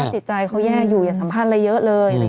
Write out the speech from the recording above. จิตใจเขาแย่อยู่อย่าสัมภาษณ์อะไรเยอะเลย